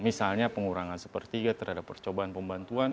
misalnya pengurangan sepertiga terhadap percobaan pembantuan